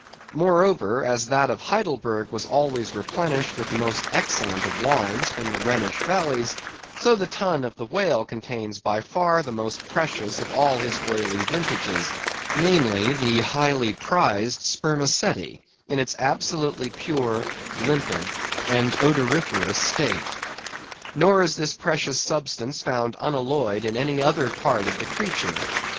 Moreover, as that of Heidelburgh was always replenished with the most excellent of the wines of the Rhenish valleys, so the tun of the whale contains by far the most precious of all his oily vintages; namely, the highly prized spermaceti, in its absolutely pure, limpid, and odoriferous state. Nor is this precious substance found unalloyed in any other part of the creature.